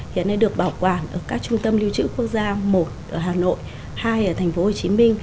hiện nay được bảo quản ở các trung tâm lưu trữ quốc gia một ở hà nội hai ở tp hcm